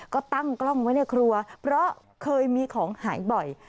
ก็ตั้งกล้องไว้ในครัวเพราะเคยมีของหายบ่อย